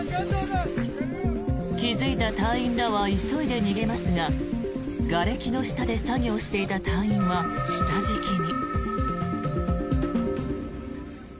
気付いた隊員らは急いで逃げますががれきの下で作業していた隊員は下敷きに。